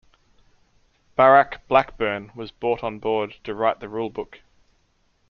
Barak Blackburn was brought on board to write the rulebook.